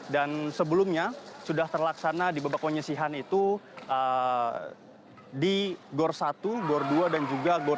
dan sebelumnya sudah terlaksana di bebak konyesihan itu di gor satu gor dua dan juga gor tiga